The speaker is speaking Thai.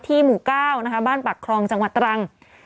ที่หมู่เก้านะคะบ้านปากครองจังหวัดตรัง